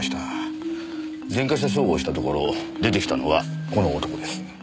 前科者照合したところ出てきたのはこの男です。